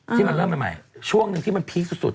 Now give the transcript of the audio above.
ที่มันเริ่มใหม่ช่วงหนึ่งที่มันพีคสุด